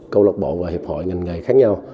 bảy mươi câu lạc bộ và hiệp hội ngành nghề khác nhau